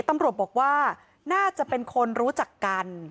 ตำรวจบอกว่าน่าจะเป็นคนรู้จักกัน